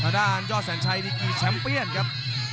ด้านยอดแซนชัยมีกี่แชมพ์เปียนครับ